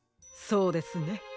そうですね。